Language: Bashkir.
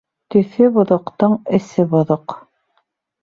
Төҫө боҙоҡтоң эсе боҙоҡ.